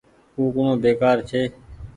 ڪوُڪڻو بيڪآر ڇي۔